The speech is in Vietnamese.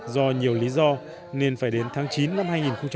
do nhiều lý do nên phải đến tháng chín năm hai nghìn một mươi sáu